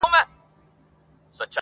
ولي سیوری اچولی خوب د پېغلي پر ورنونه؛